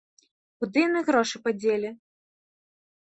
Куды яны грошы падзелі?